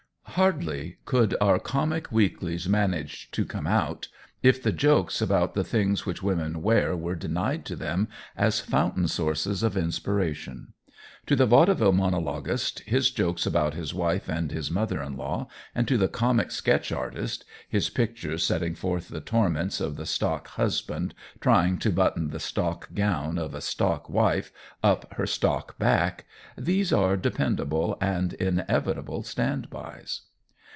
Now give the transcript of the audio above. Hardly could our comic weeklies manage to come out if the jokes about the things which women wear were denied to them as fountain sources of inspiration. To the vaudeville monologist his jokes about his wife and his mother in law and to the comic sketch artist his pictures setting forth the torments of the stock husband trying to button the stock gown of a stock wife up her stock back these are dependable and inevitable stand bys.